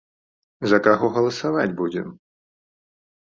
За каго галасаваць будзем?